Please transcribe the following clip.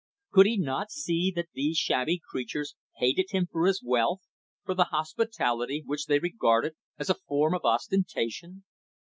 Could he not see that these shabby creatures hated him for his wealth, for the hospitality which they regarded as a form of ostentation?